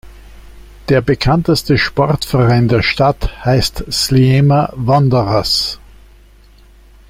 Der bekannteste Sportverein der Stadt heißt Sliema Wanderers.